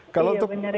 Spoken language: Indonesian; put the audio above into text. iya bener ya